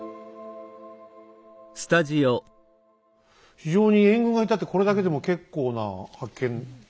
非常に援軍がいたってこれだけでも結構な発見だねえ。